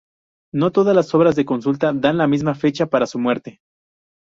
No todas las obras de consulta dan la misma fecha para su muerte.